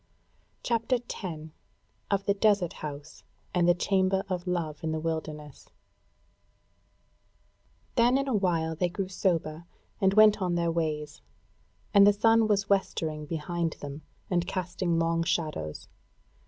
CHAPTER 10 Of the Desert House and the Chamber of Love in the Wilderness Then in a while they grew sober and went on their ways, and the sun was westering behind them, and casting long shadows.